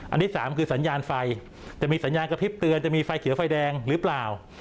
ที่สามคือสัญญาณไฟจะมีสัญญาณกระพริบเตือนจะมีไฟเขียวไฟแดงหรือเปล่า